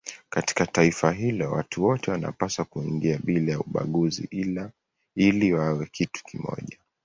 Katika taifa hilo watu wote wanapaswa kuingia bila ya ubaguzi ili wawe kitu kimoja.